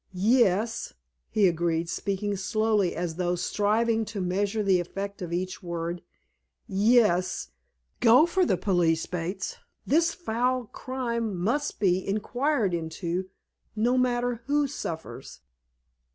"Yes," he agreed, speaking slowly, as though striving to measure the effect of each word. "Yes, go for the police, Bates. This foul crime must be inquired into, no matter who suffers.